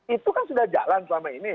itu kan sudah jalan selama ini